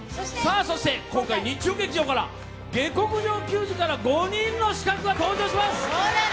そして今回、日曜劇場「下剋上球児」から５人の刺客が登場します！